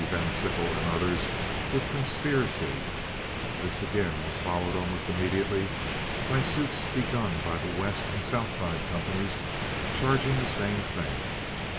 Van Sickle, and others with conspiracy; this again was followed almost immediately by suits begun by the West and South Side companies charging the same thing.